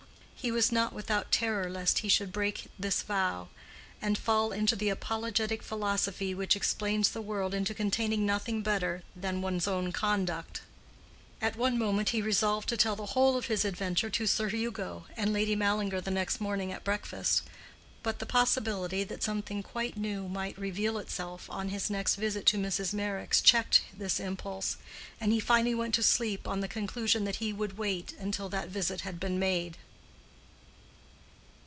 He was not without terror lest he should break this vow, and fall into the apologetic philosophy which explains the world into containing nothing better than one's own conduct. At one moment he resolved to tell the whole of his adventure to Sir Hugo and Lady Mallinger the next morning at breakfast, but the possibility that something quite new might reveal itself on his next visit to Mrs. Meyrick's checked this impulse, and he finally went to sleep on the conclusion that he would wait until that visit had been made.